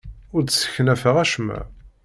Ur d-sseknafeɣ acemma.